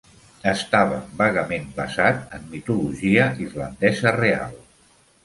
Estava vagament basat en mitologia irlandesa real.